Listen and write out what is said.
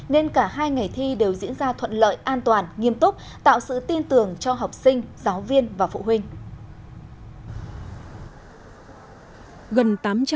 nên cả hai ngày thi đều diễn ra thuận lợi an toàn nghiêm túc tạo sự tin tưởng cho học sinh giáo viên và phụ huynh